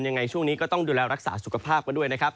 ยังไงช่วงนี้ก็ต้องดูแลรักษาสุขภาพกันด้วยนะครับ